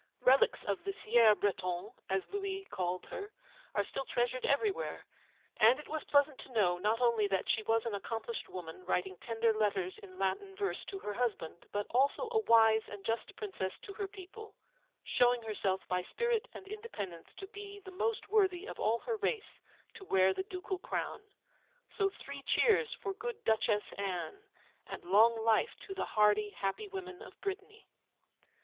Relics of the 'fière Bretonne,' as Louis called her, are still treasured everywhere, and it was pleasant to know not only that she was an accomplished woman, writing tender letters in Latin verse to her husband, but also a wise and just Princess to her people, 'showing herself by spirit and independence to be the most worthy of all her race to wear the ducal crown.' So three cheers for good Duchesse Anne, and long life to the hardy, happy women of Brittany!